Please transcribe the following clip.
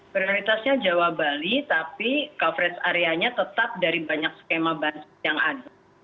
prioritasnya jawa bali tapi coverage areanya tetap dari banyak skema bansos yang ada